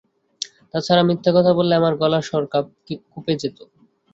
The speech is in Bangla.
তা ছাড়া মিথ্যা কথা বললে আমার গলার স্বর কোপে যেত।